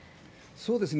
そうですね。